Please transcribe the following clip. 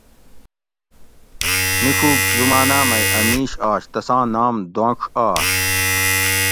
میڄوک زماناۤ مئ اۤ میش آش تساں نام دونڄ آش